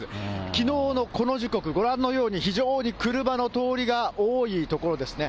きのうのこの時刻、ご覧のように、非常に車の通りが多い所ですね。